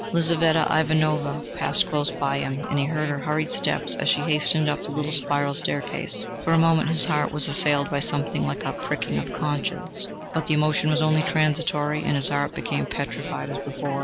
Lizaveta Ivanovna passed close by him, and he heard her hurried steps as she hastened up the little spiral staircase. For a moment his heart was assailed by something like a pricking of conscience, but the emotion was only transitory, and his heart became petrified as before.